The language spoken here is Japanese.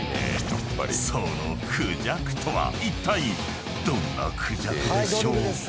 ［そのクジャクとはいったいどんなクジャクでしょうか？］